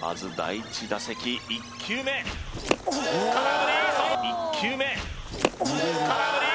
まず第１打席１球目空振り１球目空振りー